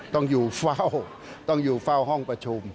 ต้องอยู่เฝ้าต้องอยู่เฝ้าห้องประชุม